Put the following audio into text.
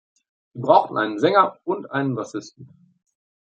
Sie brauchten einen Sänger und einen Bassisten.